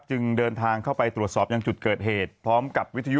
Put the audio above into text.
จึงเดินทางเข้าไปตรวจสอบยังจุดเกิดเหตุพร้อมกับวิทยุ